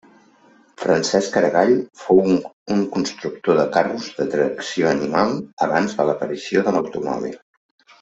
Francesc Aragall fou un constructor de carros de tracció animal abans de l'aparició de l'automòbil.